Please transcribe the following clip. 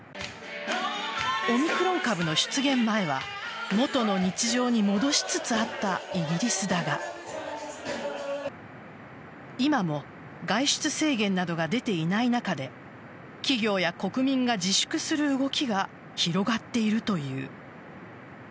オミクロン株の出現前は元の日常に戻しつつあったイギリスだが今も外出制限などが出ていない中で企業や国民が自粛する動きが広がっているという。